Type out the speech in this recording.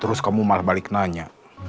terus kamu malah balik nanya